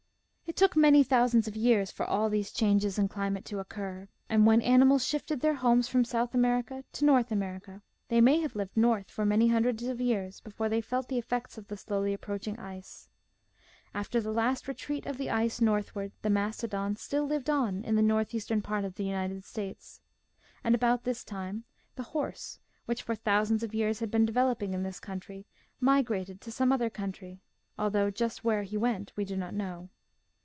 It took many thousands of years for all these changes in climate to occur, and when animals shifted their homes from South America to North America, they may have lived north for many hundreds of years before they felt the effects of the slowly approaching ice. After the last retreat of the ice northward, the Mastodon still lived on in the northeastern part of the United States. And about this time the horse, which, for thousands of years had been developing in this country, mi grated to some other country, although just where he went we do not know.